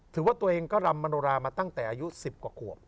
ถือว่าตัวเองก็รำมโนรามาตั้งแต่อายุ๑๐กว่าขวบ